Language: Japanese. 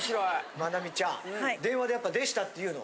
マナミちゃん電話でやっぱ「でした」って言うの？